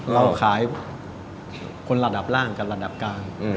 เราขายคนระดับล่างกับระดับกลาง